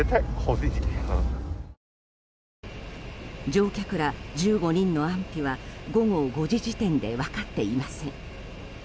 乗客ら１５人の安否は午後５時時点で分かっていません。